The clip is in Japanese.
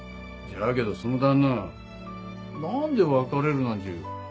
じゃけどその旦那何で別れるなんちゅう。